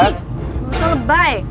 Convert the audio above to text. lo tuh lebay